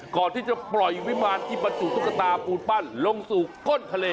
ก่อนที่จะปล่อยวิมารที่บรรจุตุ๊กตาปูนปั้นลงสู่ก้นทะเล